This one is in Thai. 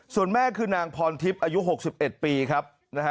ส่วนแม่คือนางพรทิพย์อายุ๖๑ปีครับนะฮะ